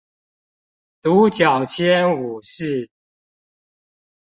獨角仙武士